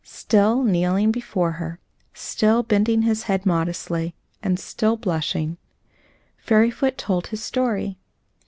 Still kneeling before her, still bending his head modestly, and still blushing, Fairyfoot told his story.